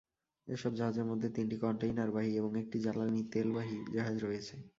এসব জাহাজের মধ্যে তিনটি কনটেইনারবাহী এবং একটি জ্বালানি তেলবাহী জাহাজ রয়েছে।